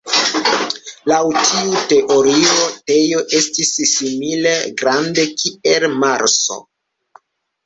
Laŭ tiu teorio Tejo estis simile grande kiel Marso.